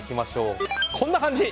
こんな感じ！